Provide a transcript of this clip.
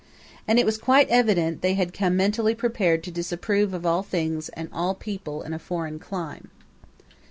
And it was quite evident they had come mentally prepared to disapprove of all things and all people in a foreign clime.